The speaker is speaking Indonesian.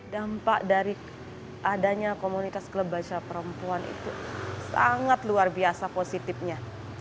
dampak dari adanya komunitas klub baca perempuan itu sangat luar biasa positifnya